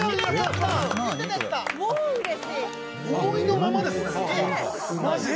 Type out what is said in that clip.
「思いのままですねマジで」